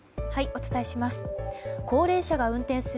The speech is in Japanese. お伝えします。